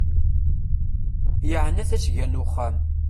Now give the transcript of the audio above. Yeɛna tasga n uxxam.